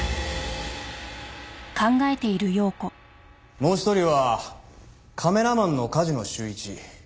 もう１人はカメラマンの梶野修一。